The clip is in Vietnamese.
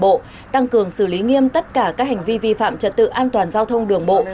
bộ tăng cường xử lý nghiêm tất cả các hành vi vi phạm trật tự an toàn giao thông đường bộ